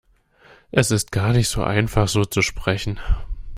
Es ist gar nicht so einfach, so zu sprechen.